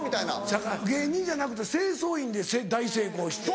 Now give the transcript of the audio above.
せやから芸人じゃなくて清掃員で大成功して。